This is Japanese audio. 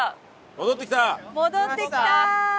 戻ってきた！